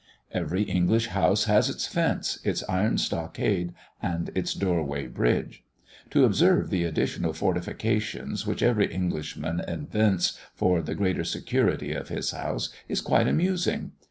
Every English house has its fence, its iron stockade and its doorway bridge. To observe the additional fortifications which every Englishman invents for the greater security of his house is quite amusing.